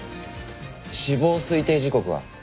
死亡推定時刻は？